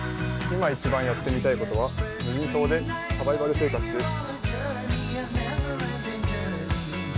今、一番やってみたいことは無人島でサバイバル生活です。